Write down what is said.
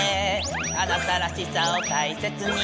「あなたらしさをたいせつに」